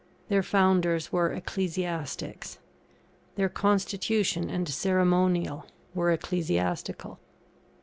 Their founders were ecclesiastics; their constitution and ceremonial were ecclesiastical.